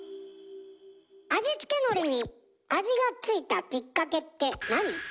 味付けのりに味が付いたきっかけってなに？